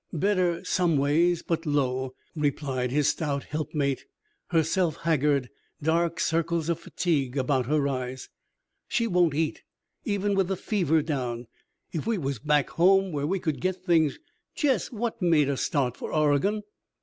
"Better some ways, but low," replied his stout helpmate, herself haggard, dark circles of fatigue about her eyes. "She won't eat, even with the fever down. If we was back home where we could get things! Jess, what made us start for Oregon?"